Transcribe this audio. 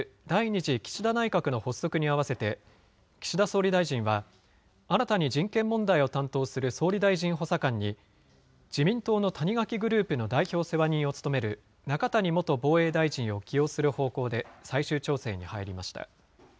次岸田内閣の発足に合わせて、岸田総理大臣は、新たに人権問題を担当する総理大臣補佐官に、自民党の谷垣グループの代表世話人を務める中谷元防衛大臣を起用する方向で最終調整に入りました。